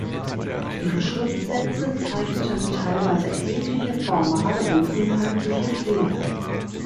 Ihre Schriftsätze zeigten teilweise erhebliche formale und inhaltliche Fehler.